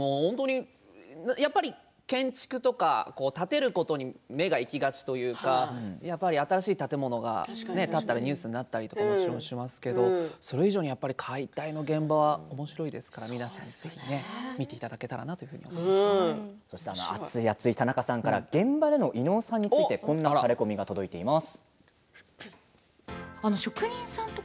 やっぱり建築とか建てることに目が行きがちというか新しい建物が建ったらニュースになったりしますけどそれ以上に解体の現場はおもしろいですから皆さんにぜひ見ていただけたらなと現場での伊野尾さんについてタレコミが届いています。